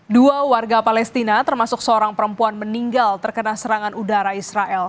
dua warga palestina termasuk seorang perempuan meninggal terkena serangan udara israel